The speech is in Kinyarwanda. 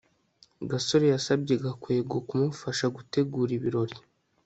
gasore yasabye gakwego kumufasha gutegura ibirori